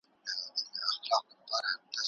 اسلام تعلیم هڅوي.